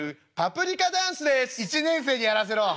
「１年生にやらせろ！